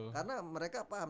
karena mereka paham